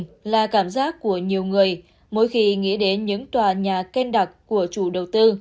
trung cư mini là cảm giác của nhiều người mỗi khi nghĩ đến những tòa nhà khen đặc của chủ đầu tư